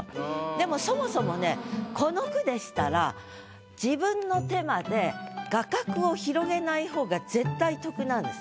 でもそもそもねこの句でしたら自分の手まで画角を広げない方が絶対得なんです。